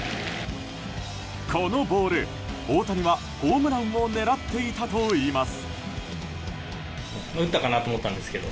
このボール、大谷はホームランを狙っていたといいます。